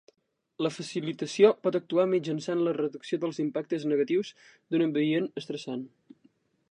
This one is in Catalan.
La facilitació pot actuar mitjançant la reducció dels impactes negatius d'un ambient estressant.